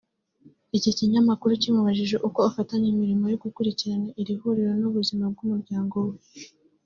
Iki kinyakuru kimubajije uko afatanya imirimo yo gukurikirana iri huriro n’ubuzima bw’umuryango we